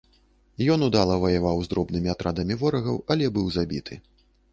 Ён удала ваяваў з дробнымі атрадамі ворагаў, але быў забіты.